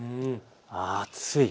暑い。